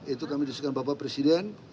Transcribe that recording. itu kami diskusikan bapak presiden